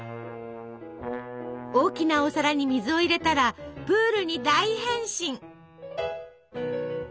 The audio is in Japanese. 大きなお皿に水を入れたらプールに大変身！